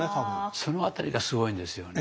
その辺りがすごいんですよね。